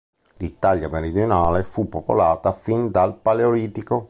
L'Italia meridionale fu popolata fin dal paleolitico.